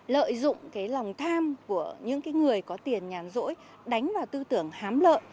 lợi dụng lòng tham của những người có tiền nhàn dỗi đánh vào tư tưởng hám lợi